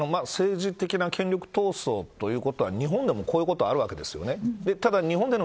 政治的な権力闘争ということは日本でもこういうことはあるわけです。